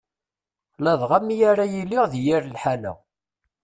Ladɣa mi ara yiliɣ deg yir lḥala.